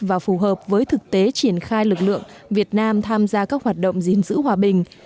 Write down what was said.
và phù hợp với thực tế triển khai lực lượng việt nam tham gia các hoạt động gìn giữ hòa bình